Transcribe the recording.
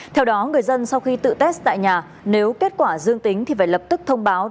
theo đó người dân sau khi tự test tại nhà nếu kết quả dương tính thì phải lập tức thông báo